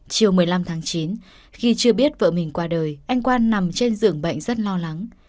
chiều một mươi năm tháng chín khi chưa biết vợ mình qua đời anh quan nằm trên giường bệnh rất lo lắng